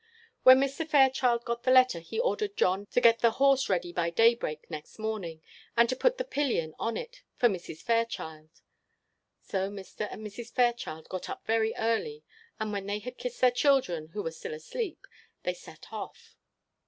When Mr. Fairchild got the letter he ordered John to get the horse ready by daybreak next morning, and to put the pillion on it for Mrs. Fairchild; so Mr. and Mrs. Fairchild got up very early, and when they had kissed their children, who were still asleep, they set off.